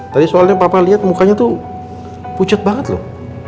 tadi soalnya papa lihat mukanya tuh pucet banget loh